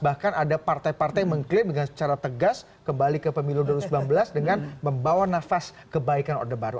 bahkan ada partai partai yang mengklaim dengan secara tegas kembali ke pemilu dua ribu sembilan belas dengan membawa nafas kebaikan orde baru